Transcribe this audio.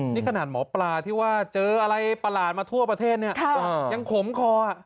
นี่ขนาดหมอปลาที่ว่าเจออะไรประหลาดมาทั่วประเทศเนี่ยยังขมคอ